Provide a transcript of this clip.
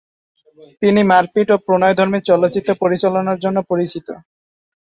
তিনি মারপিট ও প্রণয়ধর্মী চলচ্চিত্র পরিচালনার জন্য পরিচিত।